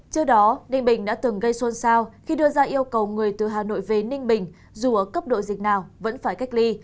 trước đó ninh bình đã từng gây xôn xao khi đưa ra yêu cầu người từ hà nội về ninh bình dù ở cấp độ dịch nào vẫn phải cách ly